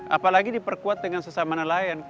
apalagi diperkuat dengan sesama nelayan